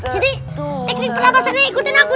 jadi teknik pernafasan ini ikutin aku